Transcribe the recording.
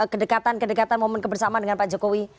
kedekatan kedekatan momen kebersamaan dengan pak jokowi